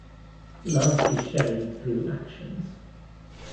Love is shown through actions.